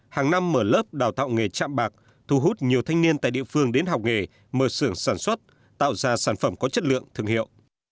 hàng năm mở lớp đào tạo nghề chạm bạc thu hút nhiều thanh niên tại địa phương đến học nghề mở sưởng sản xuất tạo ra sản phẩm có chất lượng thương hiệu